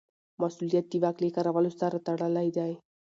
مسوولیت د واک له کارولو سره تړلی دی.